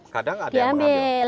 kadang ada yang mengambil